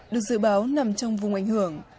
được dự báo nằm trong vùng ảnh hưởng